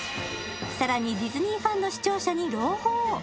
更にディズニーファンの視聴者に朗報。